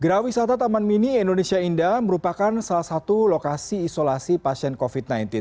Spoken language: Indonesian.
gerah wisata taman mini indonesia indah merupakan salah satu lokasi isolasi pasien covid sembilan belas